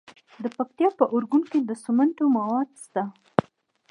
د پکتیکا په ارګون کې د سمنټو مواد شته.